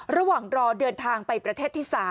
ระหว่างรอเดินทางไปประเทศที่๓